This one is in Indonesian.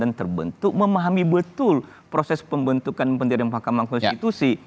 dan terbentuk memahami betul proses pembentukan dan penderitaan mahkamah konstitusi